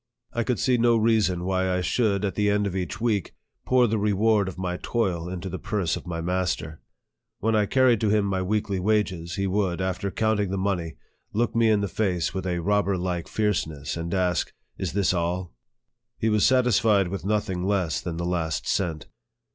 I could see no reason why I should, at the end of each week, pour the reward of my toil into the purse of my master. When I carried to him my weekly wages, he would, after counting the money, look me in the face with a robber like fierceness, and ask, " Is this all ?" He was satisfied with nothing less than the last cent.